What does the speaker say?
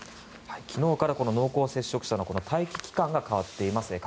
昨日から濃厚接触者の待機期間が変わっています。